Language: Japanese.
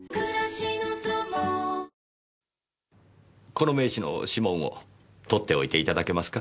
この名刺の指紋を取っておいていただけますか？